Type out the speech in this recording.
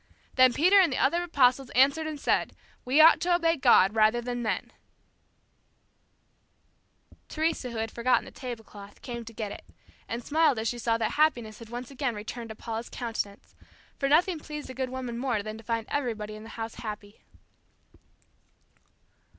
Then Peter and the other apostles answered and said, We ought to obey God rather than men.'" Teresa, who had forgotten the tablecloth, came to get it, and smiled as she saw that happiness had again returned to Paula's countenance; for nothing pleased the good woman more than to find everybody in the house happy.